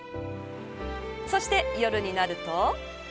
そして、夜になると。